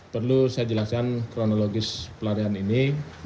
perlu saya jelaskan kronologis pelarian ini